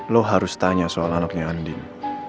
lo harus tanya soal anaknya andin